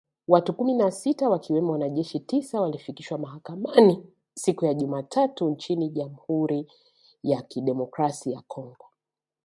Watu kumi na sita wakiwemo wanajeshi tisa walifikishwa mahakamani siku ya Jumatatu nchini Jamhuri ya Kidemokrasi ya Kongo.